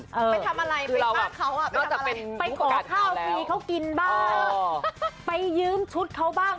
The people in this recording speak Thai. ไปทำอะไรเป็นบ้านเขาอะอ่ะไปก่อข้าวเตรียมเข้ากินบ้างไปยื้มชุดเขาบ้าง